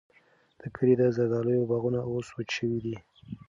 د کلي د زردالیو باغونه اوس وچ شوي دي.